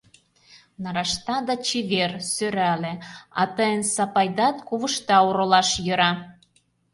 Нарашта да чевер, сӧрале... а тыйын Сапайдат ковышта оролаш йӧра...